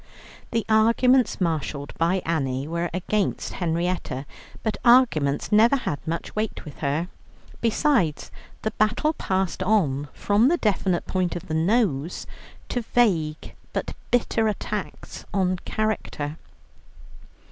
The arguments marshalled by Annie were against Henrietta, but arguments never had much weight with her. Besides, the battle passed on from the definite point of the nose to vague but bitter attacks on character.